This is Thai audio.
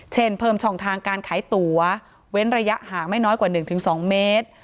เพิ่มช่องทางการขายตั๋วเว้นระยะห่างไม่น้อยกว่า๑๒เมตร